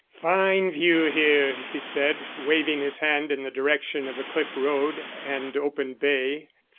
"Fine view, here," he said, waving his hand in the direction of the cliff road and open bay.